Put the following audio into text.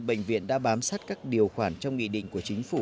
bệnh viện đã bám sát các điều khoản trong nghị định của chính phủ